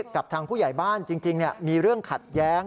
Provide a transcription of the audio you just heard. กับทางผู้ใหญ่บ้านจริงมีเรื่องขัดแย้ง